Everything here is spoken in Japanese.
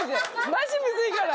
マジむずいから。